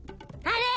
あれ？